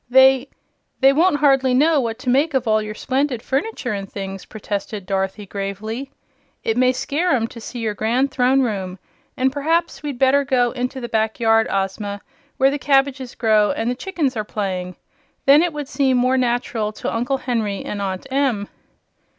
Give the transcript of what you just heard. "They they won't hardly know what to make of all your splendid furniture and things," protested Dorothy, gravely. "It may scare 'em to see your grand Throne Room, an' p'raps we'd better go into the back yard, Ozma, where the cabbages grow an' the chickens are playing. Then it would seem more natural to Uncle Henry and Aunt Em."